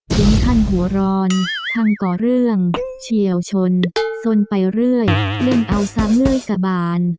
ถึงขั้นหัวร้อนทั้งก่อเรื่องเฉียวชนสนไปเรื่อยเล่นเอาซะเมื่อยกะบาน